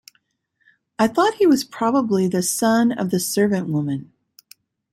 I thought he was probably the son of the servant-woman.